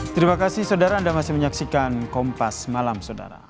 terima kasih saudara anda masih menyaksikan kompas malam saudara